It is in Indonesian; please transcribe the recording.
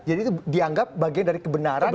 jadi itu dianggap bagian dari kebenaran